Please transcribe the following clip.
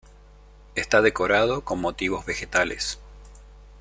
Está decorado con motivos vegetales.